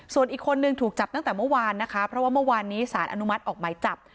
ส่วนอีกคนนึงถูกจับตั้งแต่เมื่อวานนะคะเพราะว่าเมื่อวานนี้สารอนุมัติออกหมายจับ